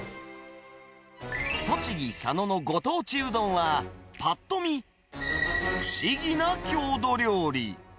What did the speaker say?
栃木・佐野のご当地うどんは、ぱっと見、不思議な郷土料理。